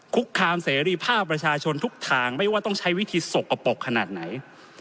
คุกคามเสรีภาพประชาชนทุกทางไม่ว่าต้องใช้วิธีสกปรกขนาดไหน